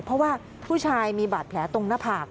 เพราะว่าผู้ชายมีบาดแผลตรงหน้าผาก